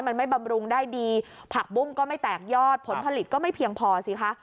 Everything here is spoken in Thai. มันไม่บำรุงได้ดีผักบุ้งก็ไม่แตกยอดผลผลิตก็ไม่เพียงพอสิคะ